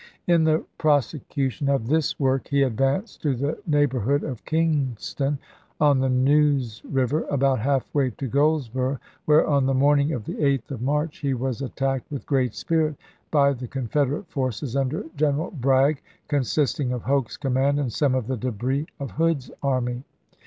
In the prosecution of this work he advanced to the neighborhood of Kinston, on the Neuse River, about half way to Goldsboro', where, on the morning of the 8th of March, he was attacked with great spirit by the Confederate forces, under General Bragg, consisting cox, of Hoke's command and some of the debris of " The March Hood's army.